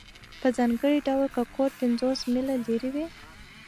په ځانګړي ډول که کور پنځوس میله لرې وي